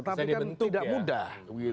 tapi kan tidak mudah